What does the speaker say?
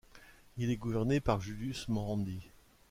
Il est gouverné par Julius Marandi.